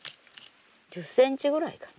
１０ｃｍぐらいかな